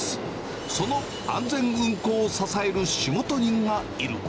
その安全運行を支える仕事人がいる。